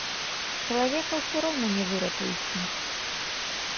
Чалавека ўсё роўна не выратуеце.